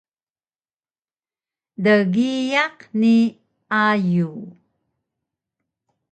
Dgiyaq ni ayug